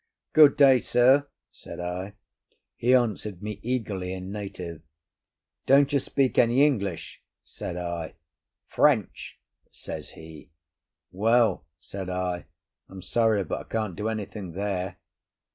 "Good day, sir," said I. He answered me eagerly in native. "Don't you speak any English?" said I. "French," says he. "Well," said I, "I'm sorry, but I can't do anything there."